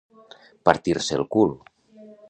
Partir-se el cul.